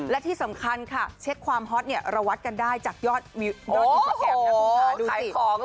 และที่สำคัญค่ะเช็คความฮอตเนี่ยเราวัดกันได้จากยอดวิวโดดดิสเต็มนะคุณค่ะ